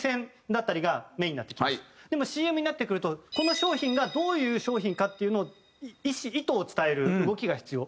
でもＣＭになってくるとこの商品がどういう商品かっていうのを意図を伝える動きが必要。